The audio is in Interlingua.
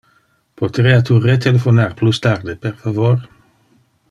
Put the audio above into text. Poterea tu retelephonar plus tarde, per favor?